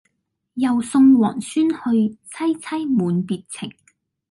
又送王孫去，萋萋滿別情。